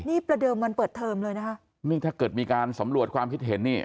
นี่ประเดิมวันเปิดเทอมเลยนะคะนี่ถ้าเกิดมีการสำรวจความคิดเห็นนี่